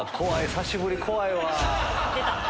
久しぶり怖いわ。